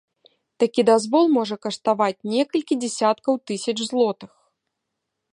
Такі дазвол можа каштаваць некалькі дзесяткаў тысяч злотых.